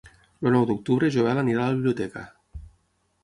El nou d'octubre en Joel anirà a la biblioteca.